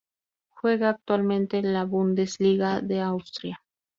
Juega actualmente en la Bundesliga de Austria.